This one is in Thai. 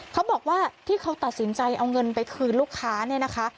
เขาบอกว่าที่เขาตัดสินใจเอาเงินไปคืนลูกค้าเนี่ยนะคะ